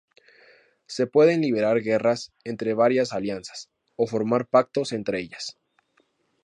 Se pueden librar guerras entre varias alianzas o formar pactos entre ellas.